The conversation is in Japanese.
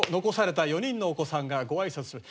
「残された４人のお子さんがご挨拶を」。